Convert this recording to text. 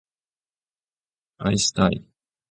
愛したい